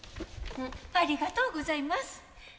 ありがとうございます。